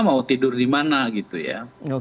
mau tidur di mana gitu ya